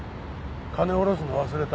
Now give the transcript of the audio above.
金下ろすの忘れた。